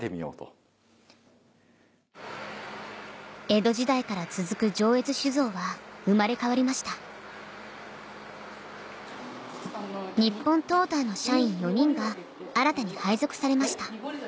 江戸時代から続く上越酒造は生まれ変わりました日本トーターの社員４人が新たに配属されました